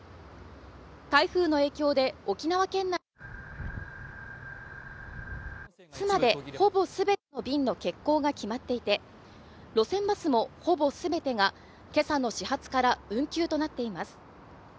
台風の影響で沖縄県内明日までほぼ全ての便の欠航が決まっていて路線バスもほぼすべてが今朝の始発から運休となっています。